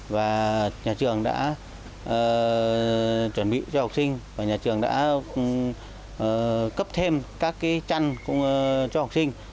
và nhà trường đã chuẩn bị cho học sinh và nhà trường đã cấp thêm các chăn cho học sinh